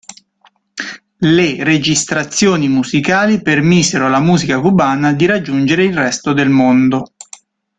Le registrazioni musicali permisero alla musica cubana di raggiungere il resto del mondo.